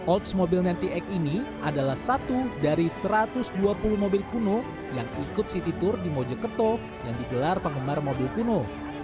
olds mobil sembilan puluh delapan ini adalah satu dari satu ratus dua puluh mobil kuno yang ikut city tour di mojokerto yang digelar penggemar mobil kuno